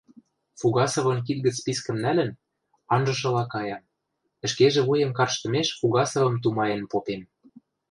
Фугасовын кид гӹц спискӹм нӓлӹн, анжышыла каям, ӹшкежӹ вуем карштымеш Фугасовым тумаен попем: